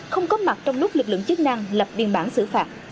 không có mặt trong lúc lực lượng chức năng lập biên bản xử phạt